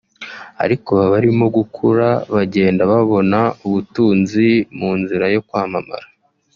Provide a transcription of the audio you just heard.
Ariko ubu abarimo gukura bagenda babona ubutunzi mu nzira yo kwamamara